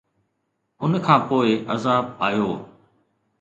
ان کان پوءِ عذاب آيو